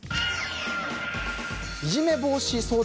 いじめ防止相談